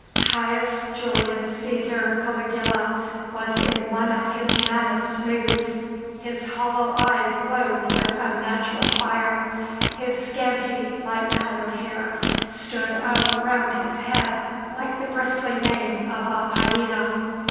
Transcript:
Caius Julius Cæsar Caligula was in one of his maddest moods; his hollow eyes glowed with unnatural fire, his scanty, light coloured hair stood up around his head like the bristly mane of a hyena.